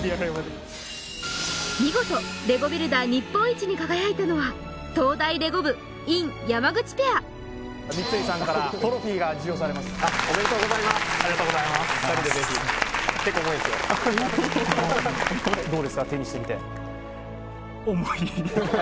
見事レゴビルダー日本一に輝いたのは東大レゴ部尹・山口ペア三井さんからトロフィーが授与されますおめでとうございますありがとうございます２人でぜひんだなって思う